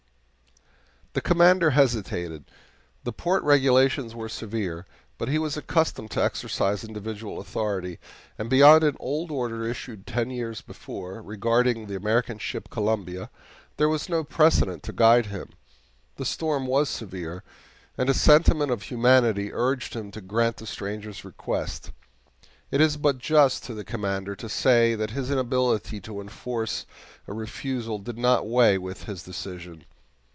The Commander hesitated. The port regulations were severe, but he was accustomed to exercise individual authority, and beyond an old order issued ten years before, regarding the American ship COLUMBIA, there was no precedent to guide him. The storm was severe, and a sentiment of humanity urged him to grant the stranger's request. It is but just to the Commander to say that his inability to enforce a refusal did not weigh with his decision.